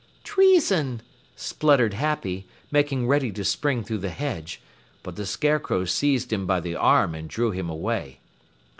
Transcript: "Treason!" spluttered Happy, making ready to spring through the hedge, but the Scarecrow seized him by the arm and drew him away.